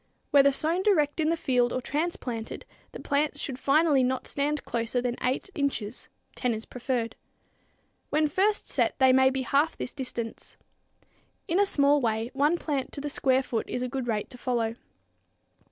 Whether sown direct in the field or transplanted the plants should finally not stand closer than 8 inches 10 is preferred. When first set they may be half this distance. In a small way one plant to the square foot is a good rate to follow.